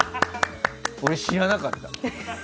俺、知らなかった。